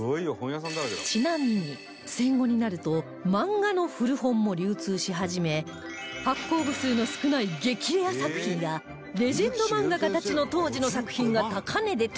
ちなみに戦後になると漫画の古本も流通し始め発行部数の少ない激レア作品やレジェンド漫画家たちの当時の作品が高値で取引され